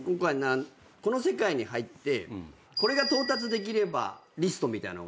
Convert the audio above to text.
この世界に入ってこれが到達できればリストみたいのがあるって。